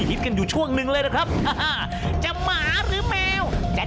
ตอบว่า